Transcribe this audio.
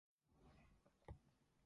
Copyright protection for "If", Apr.